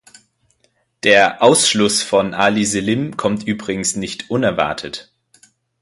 Der Ausschluss von Ali Selim kommt übrigens nicht unerwartet.